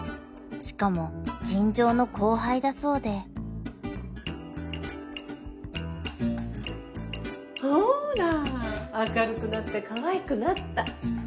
［しかも銀城の後輩だそうで］ほうら明るくなってかわいくなった。